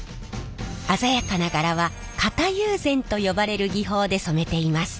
鮮やかな柄は型友禅と呼ばれる技法で染めています。